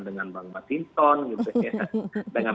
jadi bang matinton ini suka suka mau puan patahkan